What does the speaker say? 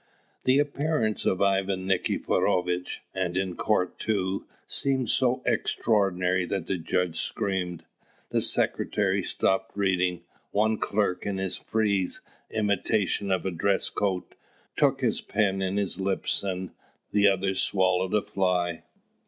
The appearance of Ivan Nikiforovitch, and in court too, seemed so extraordinary that the judge screamed; the secretary stopped reading; one clerk, in his frieze imitation of a dress coat, took his pen in his lips; and the other swallowed a fly.